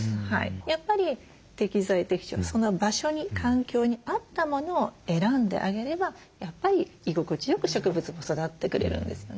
やっぱり適材適所その場所に環境に合ったものを選んであげればやっぱり居心地よく植物も育ってくれるんですよね。